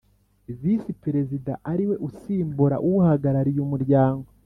Visi Perezida ariwe usimbura uhagarariye umuryango